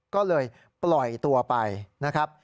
ก็เลยปล่อยตัวไปนะครับ